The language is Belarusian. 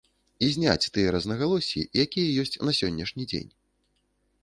І зняць тыя рознагалоссі, якія ёсць на сённяшні дзень.